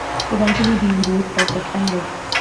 Eventually, these routes were suspended.